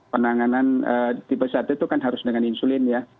penanganan tipe satu itu kan harus dengan insulin ya